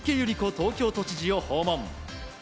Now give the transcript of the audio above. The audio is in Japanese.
東京都知事を訪問。